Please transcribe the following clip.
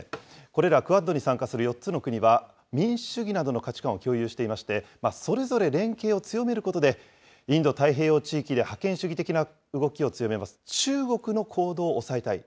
これらクアッドに参加する４つの国は、民主主義などの価値観を共有していまして、それぞれ連携を強めることで、インド太平洋地域で覇権主義的な動きを強めます中国の行動を抑えたい。